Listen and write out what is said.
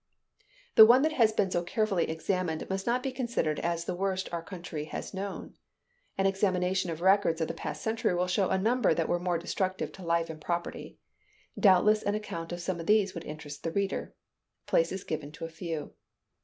The one that has been so carefully examined must not be considered as the worst our country has known. An examination of records of the past century will show a number that were more destructive to life and property. Doubtless, an account of some of these would interest the reader. Place is given to a few.